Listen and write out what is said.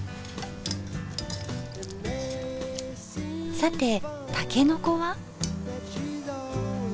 さてたけのこは。